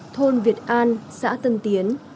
thôn việt an xã tân tiến